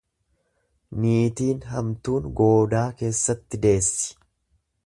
Niitiin hamtuun goodaa keessatti deessi.